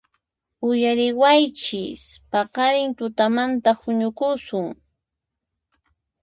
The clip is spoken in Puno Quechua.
¡Uyariwaychis! ¡Paqarin tutamantan huñukusun!